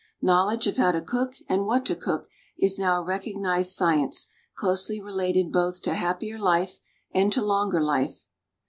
Knowledge of how to cook and what to cook is now a recognized science close ly related both to happier life and to longer life.